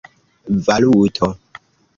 valuto